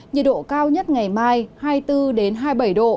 nhiệt độ cao nhất ngày mai hai mươi bốn hai mươi bảy độ